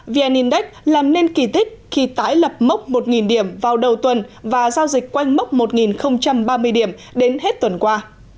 vn index làm nên kỳ tích khi tái lập mốc một điểm vào đầu tuần và giao dịch quanh mốc một ba mươi điểm đến hết tuần qua